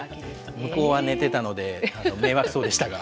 向こうは寝てたので迷惑そうでしたが。